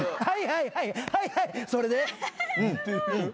はいはいはいはい！